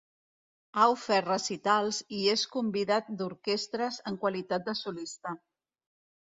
Ha ofert recitals i és convidat d'orquestres en qualitat de solista.